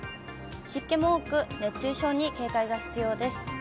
湿気も多く、熱中症に警戒が必要です。